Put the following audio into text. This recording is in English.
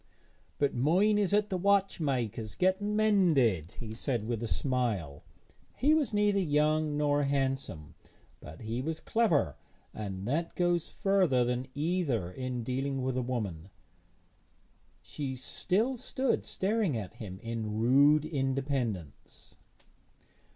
'But mine is at the watchmaker's getting mended,' he said with a smile. He was neither young nor handsome, but he was clever, and that goes further than either in dealing with a woman. She still stood staring at him in rude independence.